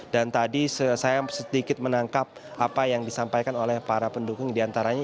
dan tadi saya sedikit menangkap apa yang disampaikan oleh para pendukung diantaranya